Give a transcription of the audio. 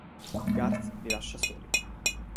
Garth li lascia soli.